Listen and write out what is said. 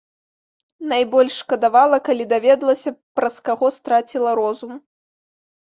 Найбольш шкадавала, калі даведалася, праз каго страціла розум.